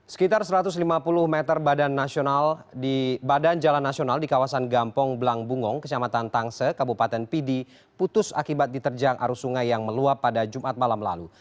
sekitar satu ratus lima puluh meter badan jalan nasional di kawasan gampong belangbungong kecamatan tangse kabupaten pidi putus akibat diterjang arus sungai yang meluap pada jumat malam lalu